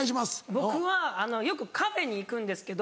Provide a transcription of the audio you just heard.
僕はよくカフェに行くんですけど。